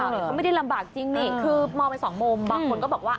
เขาไม่ได้ลำบากจริงนี่คือมองไปสองมุมบางคนก็บอกว่า